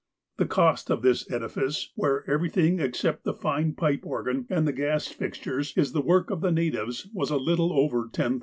The cost of this edifice, where everything, except the fine pipe organ and the gas fixtures, is the work of the natives, was a little over $10,000.